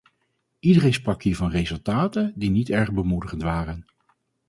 Iedereen sprak hier van resultaten die niet erg bemoedigend waren.